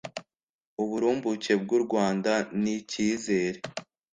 uburumbuke bw u rwanda n ikizere